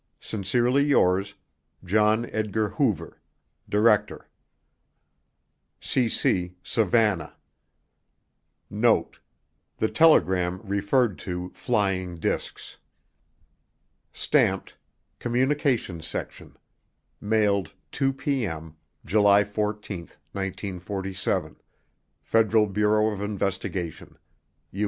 Sincerely yours, John Edgar Hoover Director cc Savannah NOTE: The telegram referred to "flying discs." [Stamped: COMMUNICATIONS SECTION MAILED 2 P.M. JUL 14 1947 FEDERAL BUREAU OF INVESTIGATION U.